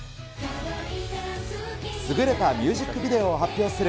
優れたミュージックビデオを発表する